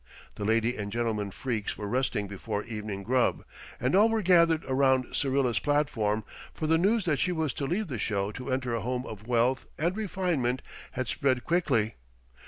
The lady and gentlemen freaks were resting before evening grub, and all were gathered around Syrilla's platform, for the news that she was to leave the show to enter a home of wealth and refinement had spread quickly.